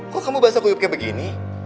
kok kamu basah kuyuk kayak begini